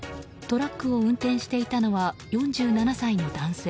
トラックを運転していたのは４７歳の男性。